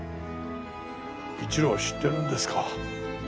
一路は知ってるんですか？